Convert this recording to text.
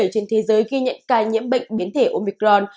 bốn mươi bảy trên thế giới ghi nhận ca nhiễm bệnh biến thể omicron